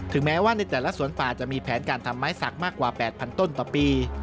แม้ว่าในแต่ละสวนป่าจะมีแผนการทำไม้สักมากกว่า๘๐๐ต้นต่อปี